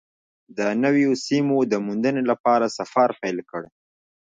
د نویو سیمو د موندنې لپاره سفر پیل کړ.